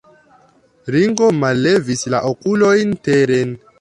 Ringo mallevis la okulojn teren.